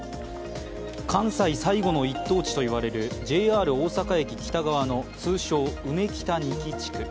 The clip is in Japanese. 関西最後の一等地といわれるＪＲ大阪駅北側の通称うめきた２期地区。